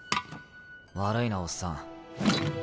悪いなおっさん。